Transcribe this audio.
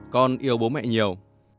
con yêu bố mẹ nhiều